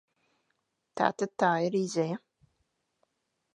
Tātad tā ir izeja.